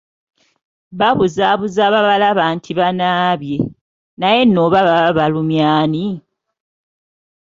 Babuzaabuza ababalaba nti banaabye, naye nno oba baba balumya ani?